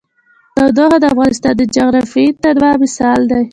تودوخه د افغانستان د جغرافیوي تنوع مثال دی.